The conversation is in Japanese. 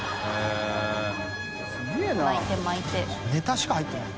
ネタしか入ってない。